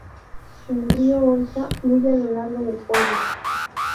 El Río Olza fluye a lo largo del pueblo.